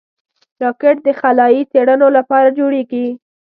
راکټ د خلایي څېړنو لپاره جوړېږي